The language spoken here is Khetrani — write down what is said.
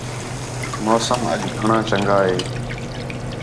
موسم اَڄ گھݨاں چَنڳا ہے